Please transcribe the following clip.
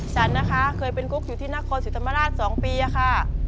ฉันนะคะเคยเป็นกุ๊กอยู่ที่นครศรีธรรมราช๒ปีค่ะ